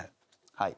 はい。